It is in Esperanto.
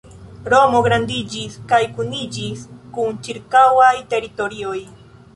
Romo grandiĝis kaj kuniĝis kun ĉirkaŭaj teritorioj.